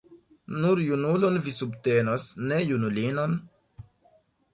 Nur junulon vi subtenos, ne junulinon?